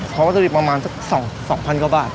เพราะว่าตรีประมาณสัก๒๐๐๐กว่าบาท